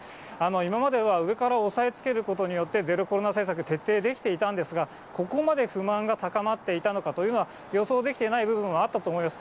今までは上から押さえつけることによって、ゼロコロナ政策、徹底できていたんですが、ここまで不満が高まっていたのかというのは、予想できてない部分もあったと思います。